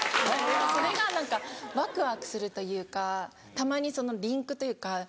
それが何かワクワクするというかたまにリンクというか。